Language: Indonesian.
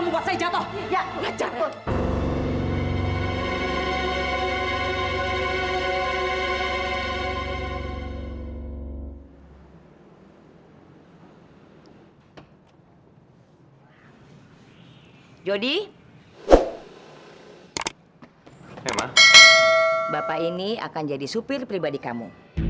bapak ini akan jadi supir pribadi kamu